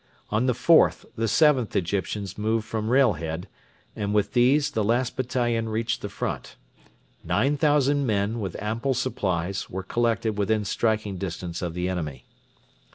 On the 4th the 7th Egyptians moved from Railhead, and with these the last battalion reached the front. Nine thousand men, with ample supplies, were collected within striking distance of the enemy.